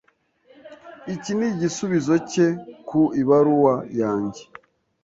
Iki ni igisubizo cye ku ibaruwa yanjye.